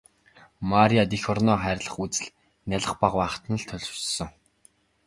Марияд эх орноо хайрлах үзэл нялх бага байхад нь л төлөвшсөн.